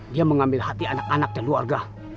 dia mengambil hati anak anak dan keluarga